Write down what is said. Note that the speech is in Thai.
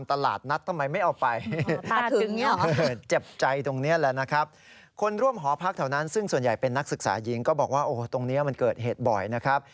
พักแถวนั้นซึ่งส่วนใหญ่เป็นนักศึกษาหญิงก็บอกว่าโอ้ตรงเนี้ยมันเกิดเหตุบ่อยนะครับ